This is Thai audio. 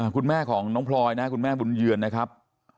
คุณแม่ของน้องพลอยนะคุณแม่บุญเยือนนะครับ